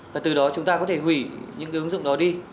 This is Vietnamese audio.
và từ đó chúng ta có thể hủy những cái ứng dụng đó đi